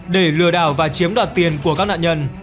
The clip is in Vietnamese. để lừa đảo và chiếm đoạt tiền của các nạn nhân